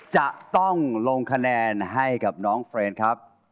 จะต้องลงคะแนนให้กับน้องเฟรนครับ